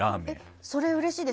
それ、うれしいです。